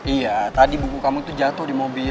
iya tadi buku kamu tuh jatuh di mobil nih